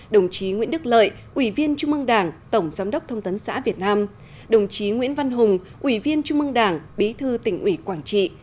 đồng chí nguyễn đức lợi ủy viên trung mương đảng tổng giám đốc thông tấn xã việt nam đồng chí nguyễn văn hùng ủy viên trung mương đảng bí thư tỉnh ủy quảng trị